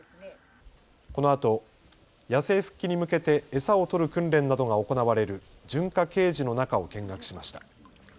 このあと野生復帰に向けて餌を取る訓練などが行われる順化ケージの中を見学しました。